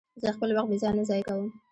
زه خپل وخت بې ځایه نه ضایع کوم.